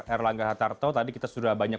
erlangga hartarto tadi kita sudah banyak